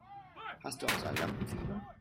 Hast du auch so ein Lampenfieber?